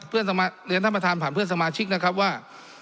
เรียนท่ามกันผ่านเพื่อนสมาชิกนะครับว่า